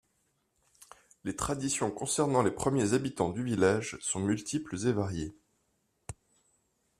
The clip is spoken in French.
Les traditions concernant les premiers habitants du village sont multiples et variées.